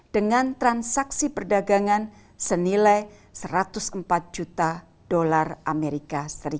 dengan transaksi perdagangan senilai satu ratus empat juta usd